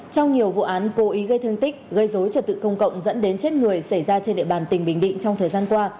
trong nhiều vụ án cố ý gây thương tích gây dối trật tự công cộng dẫn đến chết người xảy ra trên địa bàn tỉnh bình định trong thời gian qua